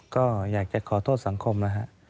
ก็อยากจะขอโทษสังคมนะฮะ